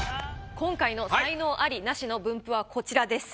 今回の才能アリ・ナシの分布はこちらです。